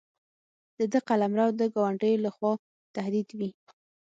د ده قلمرو د ګاونډیو له خوا تهدید وي.